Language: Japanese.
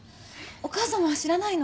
お母さまは知らないの。